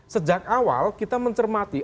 sejak awal kita mencermati